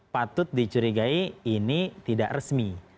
patut dicurigai ini tidak resmi